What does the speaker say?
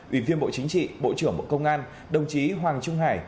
ủy viên bộ chính trị bộ trưởng bộ công an đồng chí hoàng trung hải